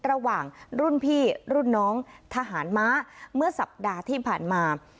ระหว่างรุ่นพี่รุ่นน้องทหารม้าเมื่อสัปดาห์ที่ผ่านมา